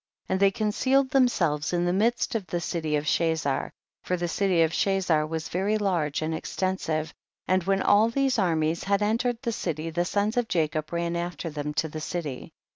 10. And they concealed them selves in the midst of the city of Cha zar, for the city of Chazar was very large and extensive, and when all these armies had entered the city, the sons of Jacob ran after them to the city.